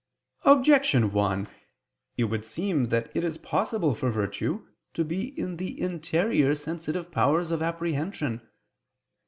Objection 1: It would seem that it is possible for virtue to be in the interior sensitive powers of apprehension.